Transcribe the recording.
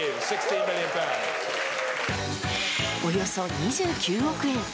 およそ２９億円。